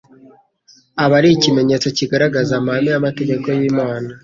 aba ari ikimenyetso kigaragaza amahame y'amategeko y'Imana.